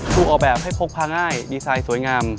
ถูกออกแบบให้พกพาง่ายดีไซน์สวยงาม